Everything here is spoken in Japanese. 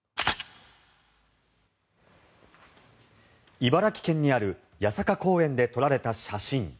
茨城県にある八坂公園で撮られた写真。